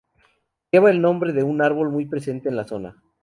Lleva el nombre de un árbol muy presente en la zona.